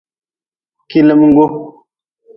Kilimgu.